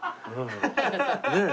ねえ。